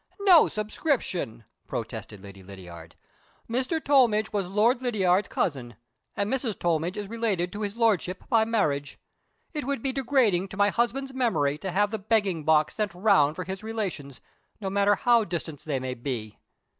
"No subscription!" protested Lady Lydiard. "Mr. Tollmidge was Lord Lydiard's cousin; and Mrs. Tollmidge is related to his Lordship by marriage. It would be degrading to my husband's memory to have the begging box sent round for his relations, no matter how distant they may be.